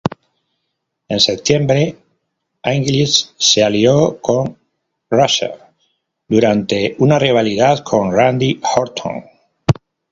En septiembre, English se alió con Rusev durante una rivalidad con Randy Orton.